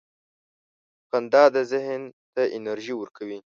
• خندا ذهن ته انرژي ورکوي.